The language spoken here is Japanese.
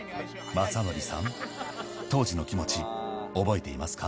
まさのりさん、当時の気持ち、覚えていますか？